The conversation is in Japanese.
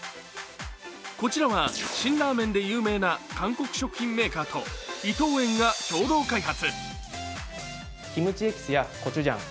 ちらは辛ラーメンで有名な韓国食品メーカーと伊藤園が共同開発。